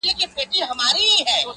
نر دي بولم که ایمان دي ورته ټینګ سو!.